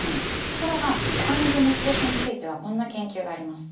ところがお金とモチベーションについてはこんな研究があります。